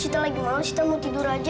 sita lagi malem sita mau tidur aja ya